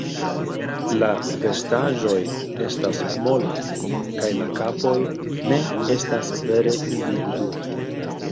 La vestaĵoj estas molaj kaj la kapoj ne estas vere individuaj.